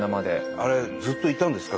あれずっといたんですか？